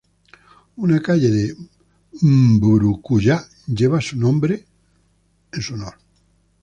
Una calle de Mburucuyá lleva su nombre en su honor.